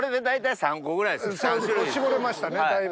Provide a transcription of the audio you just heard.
絞れましたねだいぶ。